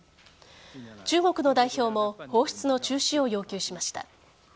中国の代表も放出の中止を要求しました。